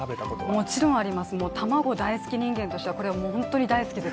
もちろんあります、もう卵大好き人間としてはこれはもう本当に大好きです。